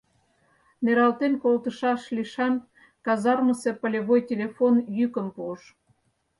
Нералтен колтышаш лишан казармысе полевой телефон йӱкым пуыш.